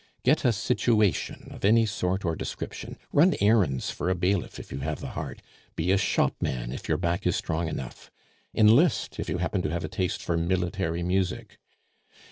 Get a situation of any sort or description. Run errands for a bailiff if you have the heart, be a shopman if your back is strong enough, enlist if you happen to have a taste for military music.